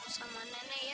sama nenek ya